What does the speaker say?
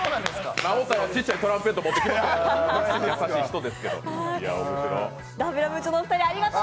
直太朗、ちっちゃいトランペット持ってきません。